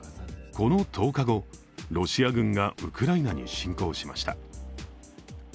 この１０日後、ロシア軍がウクライナに侵攻しました。